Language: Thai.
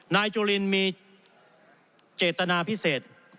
นายจุลินมีเจตนาพิเศษ